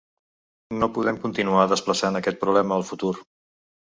No podem continuar desplaçant aquest problema al futur.